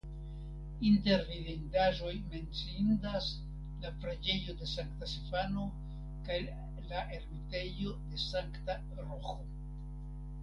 Inter vidindaĵoj menciindas la preĝejo de Sankta Stefano kaj la ermitejo de Sankta Roĥo.